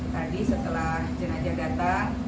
tadi setelah jenajah datang